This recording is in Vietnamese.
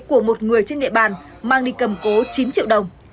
của một người trên địa bàn mang đi cầm cố chín triệu đồng